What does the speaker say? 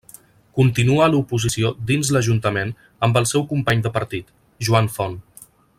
Continua a l'oposició dins l'ajuntament amb el seu company de partit, Joan Font.